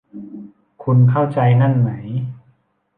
คุณเข้าใจนั่นไหม